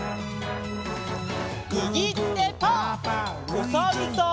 おさるさん。